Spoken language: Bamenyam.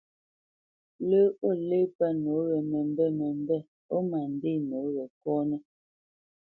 Lə́ o lê pə́ nǒ we məmbêt məmbêt ó ma ndê nǒ we kɔ́nə́.